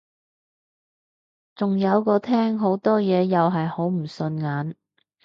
仲有個廳好多嘢又係好唔順眼